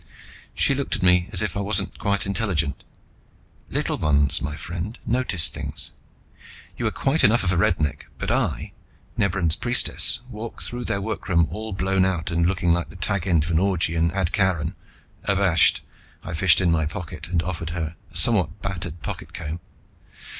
She looked at me as if I wasn't quite intelligent. "The Little Ones, my friend, notice things. You are quite enough of a roughneck, but if I, Nebran's priestess, walk through their workroom all blown about and looking like the tag end of an orgy in Ardcarran...." Abashed, I fished in a pocket and offered her a somewhat battered pocket comb.